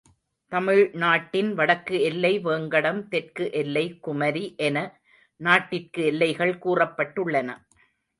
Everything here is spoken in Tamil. தமிழ் நாட்டின் வடக்கு எல்லை வேங்கடம் தெற்கு எல்லை குமரி என நாட்டிற்கு எல்லைகள் கூறப்பட்டுள்ளன.